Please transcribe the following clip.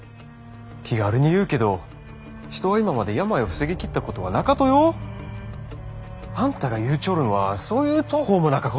気軽に言うけど人は今まで病を防ぎきったことはなかとよ！あんたが言うちょるんはそういう途方もなかこったい！